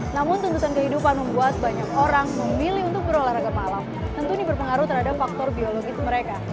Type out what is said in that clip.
namun tuntutan kehidupan membuat banyak orang memilih untuk berolahraga malam tentu ini berpengaruh terhadap faktor biologis mereka